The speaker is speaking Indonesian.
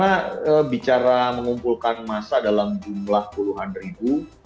ya karena bicara mengumpulkan masa dalam jumlah puluhan ribu